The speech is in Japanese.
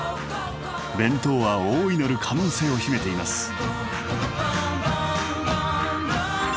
弁当は大いなる可能性を秘めています。